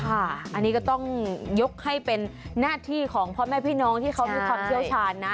อันนี้ก็ต้องยกให้เป็นหน้าที่ของพ่อแม่พี่น้องที่เขามีความเชี่ยวชาญนะ